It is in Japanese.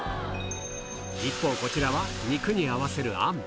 一方、こちらは肉に合わせるあん。